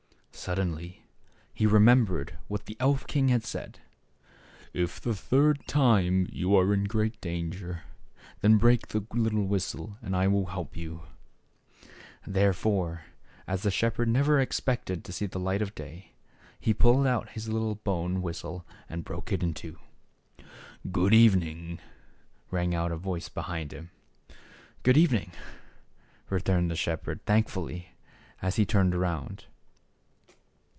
Suddenly he remembered what the elf king had said :" If the third time you are in great danger, then break the little whistle and I will help you." Therefore, as the shepherd never expected to see the light of day, he pulled out his little bone whistle and broke it in two. " Good evening !" rang out a voice behind him. " Good evening !" returned the shepherd thankfully, as he turned around.